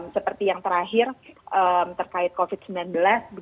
seperti yang terakhir terkait covid sembilan belas